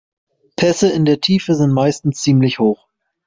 Pässe in die Tiefe sind meistens ziemlich hoch.